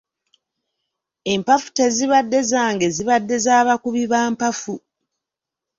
Empafu tezibadde zange zibadde za bakubi ba mpafu.